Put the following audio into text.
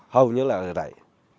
hầu như là vậy